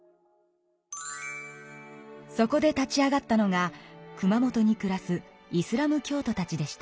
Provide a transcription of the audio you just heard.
そこで立ち上がったのが熊本に暮らすイスラム教徒たちでした。